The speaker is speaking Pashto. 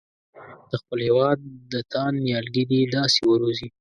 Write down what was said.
د خپل هېواد تاند نیالګي دې داسې وروزي.